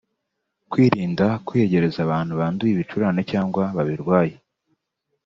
Kwirinda kwiyegereza abantu banduye ibicurane cyangwa babirwaye